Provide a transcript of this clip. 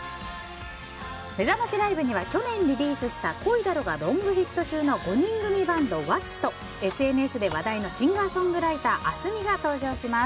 めざましライブには去年リリースした「恋だろ」がロングヒット中の５人組バンドｗａｃｃｉとＳＮＳで話題のシンガーソングライターａｓｍｉが登場します。